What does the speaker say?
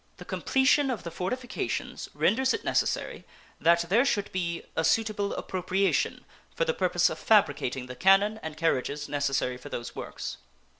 The completion of the fortifications renders it necessary that there should be a suitable appropriation for the purpose of fabricating the cannon and carriages necessary for those works.